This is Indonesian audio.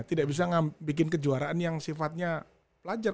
tidak bisa bikin kejuaraan yang sifatnya pelajar